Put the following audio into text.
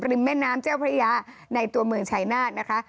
แม่น้ำเจ้าพระยาในตัวเมืองชายนาฏนะคะ